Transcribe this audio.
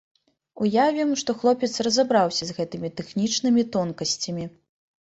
Уявім, што хлопец разабраўся з гэтымі тэхнічнымі тонкасцямі.